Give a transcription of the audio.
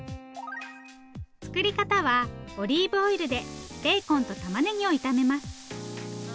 作り方はオリーブオイルでベーコンとたまねぎを炒めます。